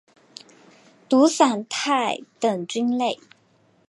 毒伞肽等菌类。